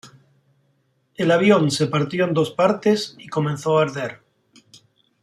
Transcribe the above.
El avión se partió en dos partes y comenzó a arder.